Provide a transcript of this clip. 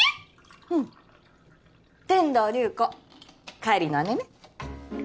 うん天堂流子浬の姉ね